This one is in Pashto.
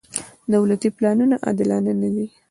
دولتي پلانونه عادلانه نه دي.